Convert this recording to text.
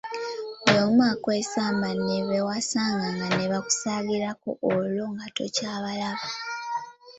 Buli omu akwesamba, ne be wasanganga ne bakusaagirako olwo nga tokyabalaba.